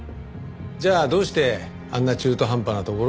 じゃあどうしてあんな中途半端な所に捨てたのか。